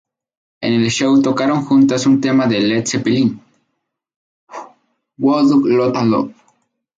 En el show tocaron juntas un tema de Led Zeppelin, "Whole Lotta Love".